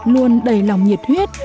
luôn đầy lòng nhiệt huyết